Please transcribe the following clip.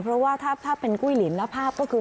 เพราะว่าถ้าเป็นกุ้ยลินแล้วภาพก็คือ